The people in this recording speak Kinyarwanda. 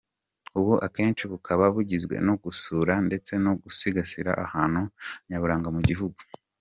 Ubu akenshi bukaba bugizwe no gusura ndetse no gusigasira ahantu nyaburanga mu gihugu.